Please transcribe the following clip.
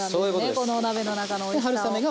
このお鍋の中のおいしさを。